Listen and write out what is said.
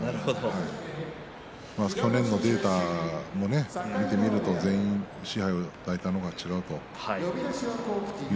去年のデータを見てみても全員、賜盃を抱いたのは違うという。